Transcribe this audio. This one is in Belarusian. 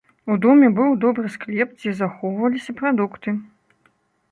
У доме быў добры склеп, дзе захоўваліся прадукты.